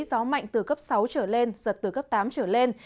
gió mạnh từ cấp sáu trở lên giật từ cấp tám trở lên